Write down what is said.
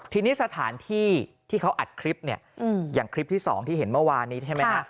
ทีนี้สถานที่ที่เขาอัดคลิปเนี่ยอย่างคลิปที่๒ที่เห็นเมื่อวานนี้ใช่ไหมฮะ